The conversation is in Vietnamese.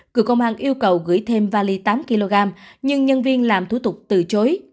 cựu công an yêu cầu gửi thêm vali tám kg nhưng nhân viên làm thủ tục từ chối